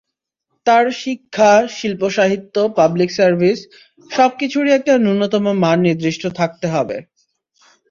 তার শিক্ষা, শিল্প-সাহিত্য, পাবলিক সার্ভিস—সবকিছুরই একটা ন্যূনতম মান নির্দিষ্ট থাকতে হবে।